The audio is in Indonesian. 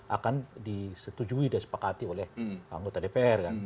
akan disetujui dan disepakati oleh anggota dpr